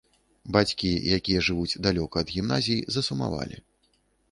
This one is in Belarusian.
Бацькі, якія жывуць далёка ад гімназій, засумавалі.